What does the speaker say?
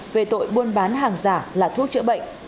về tội buôn bán hàng giả là thuốc chữa bệnh